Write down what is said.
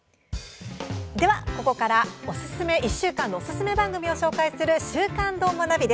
では、ここからは１週間のおすすめ番組を紹介する「週刊どーもナビ」。